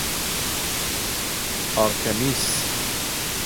آرتِمیس